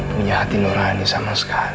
saya tidak akan menyahati nurhani sama sekali